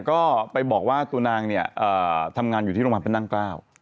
ก็ไปบอกว่าตัวนางเนี่ยทำงานอยู่ที่โรงพยาบาลพระนั่งเกล้า